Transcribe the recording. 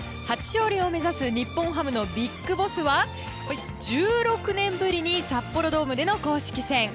初勝利を目指す日本ハムのＢＩＧＢＯＳＳは１６年ぶりに札幌ドームでの公式戦。